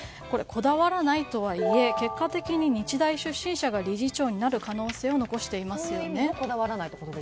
これ、こだわらないとはいえ結果的に日大出身者が理事長になる可能性を残していますよね。